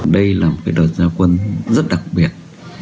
đây là một cái đoàn gia quân rất đặc biệt